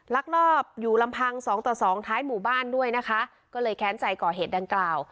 ลักลอบอยู่ลำพังสองต่อสองท้ายหมู่บ้านด้วยนะคะก็เลยแค้นใจก่อเหตุดังกล่าว